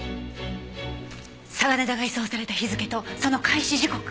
嵯峨根田が移送された日付とその開始時刻。